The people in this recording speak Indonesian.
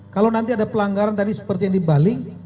kalau nanti ada pelanggaran tadi seperti yang dibalik